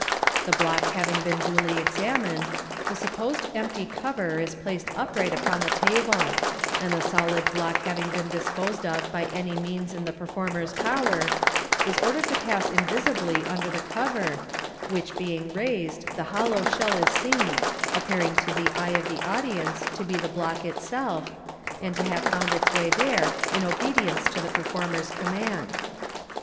The Mock having been duly examined, the supposed empty cover is placed upright upon the table $ and the solid block having been disposed of by any means in the performer's power, is ordered to pass invisibly under the cover, which being raised, the hollow shell is seen, appear ing to the eye oi the audience to be the block itself, and to have found its way there m obedience to the performer's command.